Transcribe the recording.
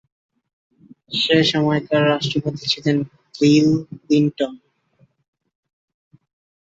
সে সময়কার রাষ্ট্রপতি ছিলেন বিল ক্লিনটন।